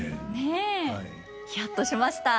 ヒヤッとしました。